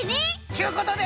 ちゅうことで。